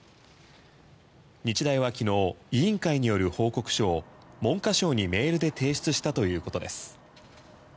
日大は昨日委員会による報告書を文科省にメールで提出したということです。